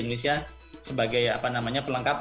indonesia sebagai apa namanya pelengkap